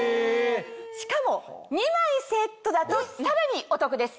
しかも２枚セットだとさらにお得です！